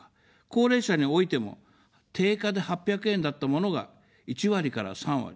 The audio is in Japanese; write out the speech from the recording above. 高齢者においても、定価で８００円だったものが１割から３割。